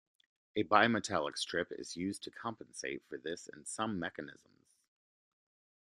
A bimetallic strip is used to compensate for this in some mechanisms.